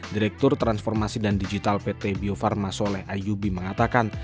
direktur transformasi dan digital pt bio farma soleh ayubi mengatakan